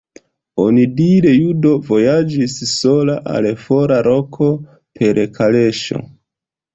Onidire judo vojaĝis sola al fora loko per kaleŝo.